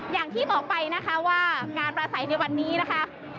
อย่างที่บอกไปนะคะว่าการประสัยในวันนี้นะคะ